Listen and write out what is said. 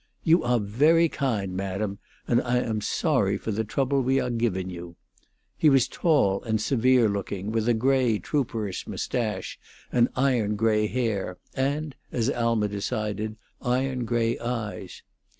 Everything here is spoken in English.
"You awe very kind, madam, and I am sorry for the trouble we awe giving you." He was tall and severe looking, with a gray, trooperish mustache and iron gray hair, and, as Alma decided, iron gray eyes.